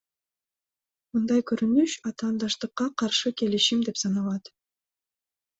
Мындай көрүнүш атаандаштыкка каршы келишим деп саналат.